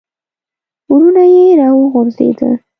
ورونه یې را وغورځېده.